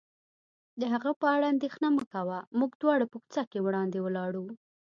د هغه په اړه اندېښنه مه کوه، موږ دواړه په کوڅه کې وړاندې ولاړو.